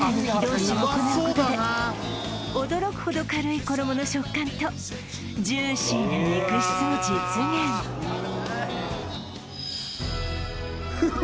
おしを行うことで驚くほど軽い衣の食感とジューシーな肉質を実現うまそっ！